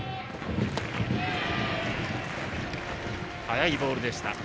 速いボールでした。